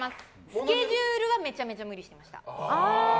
スケジュールはめちゃめちゃ無理してました。